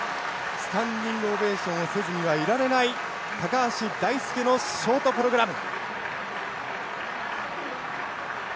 スタンディングオベーションをせずにはいられない橋大輔のショートプログラム！